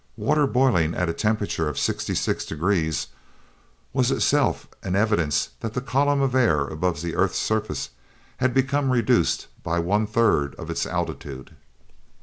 Water boiling at a temperature of 66 degrees was itself an evidence that the column of air above the earth's surface had become reduced by one third of its altitude.